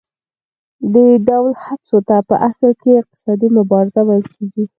دې ډول هڅو ته په اصل کې اقتصادي مبارزه ویل کېږي